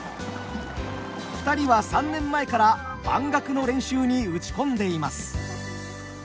２人は３年前から番楽の練習に打ち込んでいます。